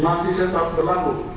masih setar berlaku